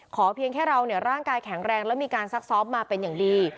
เพียงแค่เราร่างกายแข็งแรงแล้วมีการซักซ้อมมาเป็นอย่างดี